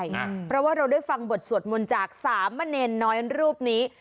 อ่ะเพราะว่าเราได้ฟังบทสวดมนตร์จาก๓มะเน่นน้อยกับรูปนี้